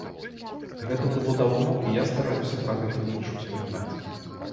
Гэта было даўно, і я стараюся пра гэта менш успамінаць.